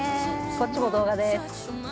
◆こっちも動画です。